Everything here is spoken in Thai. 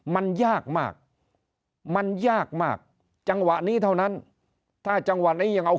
มันยากมากมันยากมากจังหวะนี้เท่านั้นถ้าจังหวะนี้ยังเอา